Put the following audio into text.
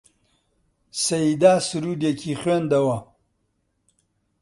سەیدا سروودێکی خوێندەوە: